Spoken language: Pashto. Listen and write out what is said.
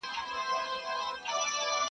• دا جاهل او دا کم ذاته دا کم اصله,